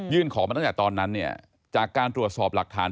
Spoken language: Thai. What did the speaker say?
ขอมาตั้งแต่ตอนนั้นเนี่ยจากการตรวจสอบหลักฐาน